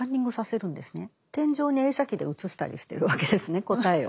天井に映写機で映したりしてるわけですね答えを。